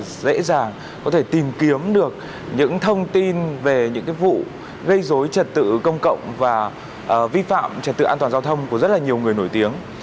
chúng ta dễ dàng có thể tìm kiếm được những thông tin về những cái vụ gây dối trật tự công cộng và vi phạm trật tự an toàn giao thông của rất là nhiều người nổi tiếng